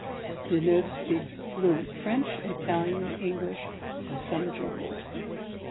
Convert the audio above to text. Deneuve speaks fluent French, Italian, English and some German.